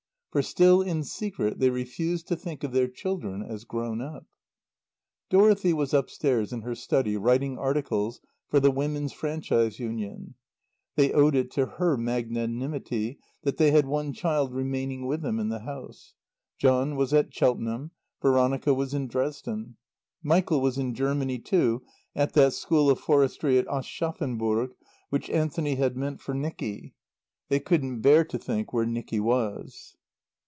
For still in secret they refused to think of their children as grown up. Dorothy was upstairs in her study writing articles for the Women's Franchise Union. They owed it to her magnanimity that they had one child remaining with them in the house. John was at Cheltenham; Veronica was in Dresden. Michael was in Germany, too, at that School of Forestry at Aschaffenburg which Anthony had meant for Nicky. They couldn't bear to think where Nicky was.